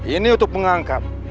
ini untuk mengangkat